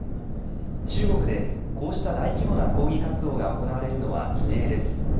中国でこうした大規模な抗議活動が行われるのは異例です。